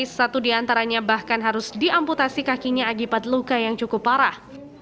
baris berbaris satu di antaranya bahkan harus diamputasi kakinya agi pad luka yang cukup parah